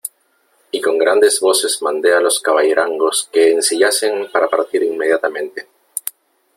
y con grandes voces mandé a los caballerangos que ensillasen para partir inmediatamente .